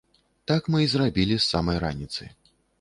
Так мы і зрабілі з самай раніцы.